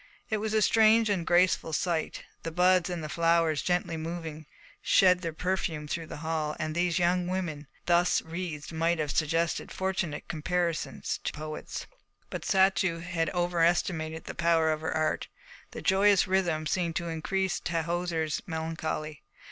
It was a strange and graceful sight. The buds and the flowers, gently moving, shed their perfume through the hall, and these young women, thus wreathed, might have suggested fortunate comparisons to poets. But Satou had overestimated the power of her art. The joyous rhythm seemed to increase Tahoser's melancholy.